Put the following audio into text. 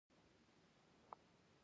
د نورستان په نورګرام کې د څه شي نښې دي؟